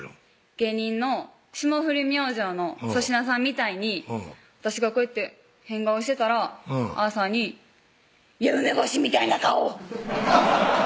芸人の霜降り明星の粗品さんみたいに私がこうやって変顔してたらアーサーに「いや梅干しみたいな顔！」